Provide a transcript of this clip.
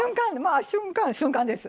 あ瞬間瞬間です。